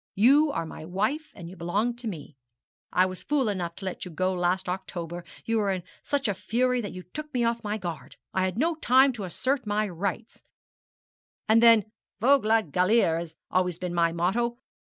You are my wife and you belong to me. I was fool enough to let you go last October: you were in such a fury that you took me off my guard; I had no time to assert my rights: and then vogue la galère has always been my motto.